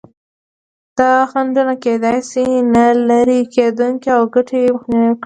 دا خنډونه کېدای شي نه لرې کېدونکي او د ګټې مخنیوی وکړي.